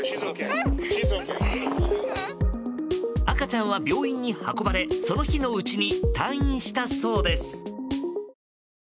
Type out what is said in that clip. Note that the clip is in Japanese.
赤ちゃんは病院に運ばれその日のうちに退院したそうです。